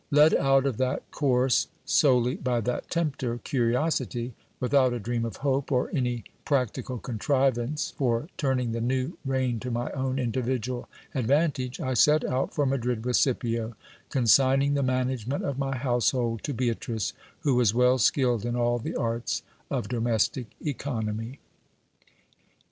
Led out of that course solely by that tempter, curiosity, without a dream of hope, or any prac tical contrivance for turning the new reign to my own individual advantage, I set out for Madrid with Scipio, consigning the management of my household to Beatrice, who was well skilled in all the arts of domestic economy.